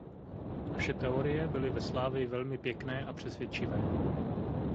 Naše teorie byly ve Slavii velmi pěkné a přesvědčivé.